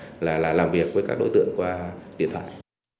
không nên là làm việc với các đối tượng qua điện thoại